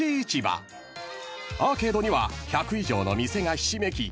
［アーケードには１００以上の店がひしめき